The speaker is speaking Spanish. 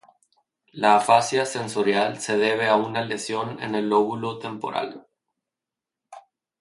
La afasia sensorial se debe a una lesión en el lóbulo temporal.